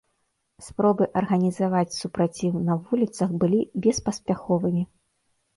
Спробы арганізаваць супраціў на вуліцах былі беспаспяховымі.